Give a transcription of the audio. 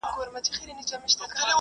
نان وخوره